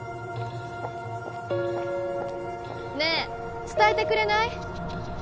ねえ伝えてくれない？